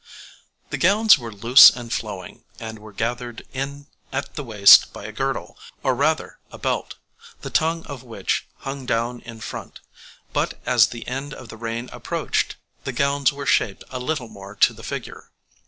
The gowns were loose and flowing, and were gathered in at the waist by a girdle, or, rather, a belt, the tongue of which hung down in front; but as the end of the reign approached, the gowns were shaped a little more to the figure.